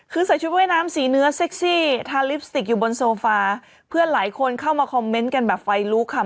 คือใส่ชุดว่ายน้ำสีเนื้อเซ็กซี่ทาลิปสติกอยู่บนโซฟาเพื่อนหลายคนเข้ามาคอมเมนต์กันแบบไฟลุกค่ะ